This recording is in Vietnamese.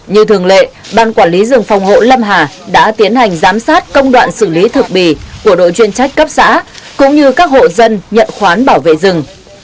như thường lệ ban quản lý rừng phòng hộ lâm hà đã tiến hành giám sát công đoạn xử lý thực bì của đội chuyên trách cấp xã cũng như các hộ dân nhận khoán bảo vệ rừng